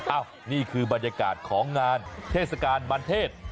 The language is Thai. นี่คือบรรยากาศของงานเทศกาลบรรเทศ